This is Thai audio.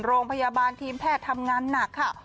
โรงพยาบาลทีมแพทย์ทำงานหนักค่ะ